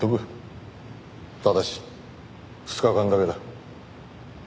ただし２日間だけだ。